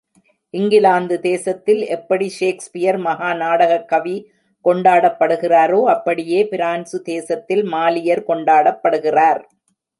இங்கிலாந்து தேசத்தில் எப்படி ஷேக்ஸ்பியர் மகா நாடகக் கவி கொண்டாடப்படுகிறாரோ, அப்படியே பிரான்சு தேசத்தில் மாலியர் கொண்டாடப்படுகிறார்.